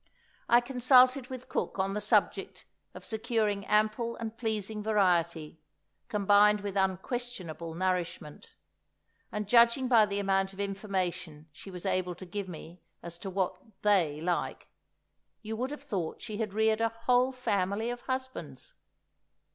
I consulted with cook on the subject of securing ample and pleasing variety, combined with unquestionable nourishment; and judging by the amount of information she was able to give me as to what "they" like, you would have thought she had reared a whole family of husbands!